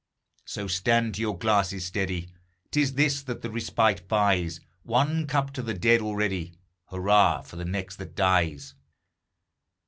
So stand to your glasses, steady! 'T is this that the respite buys; One cup to the dead already Hurrah for the next that dies!